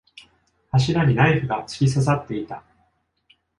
柱にナイフが突き刺さっていた。